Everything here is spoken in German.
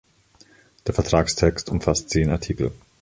Der Vertragstext umfasst zehn Artikel.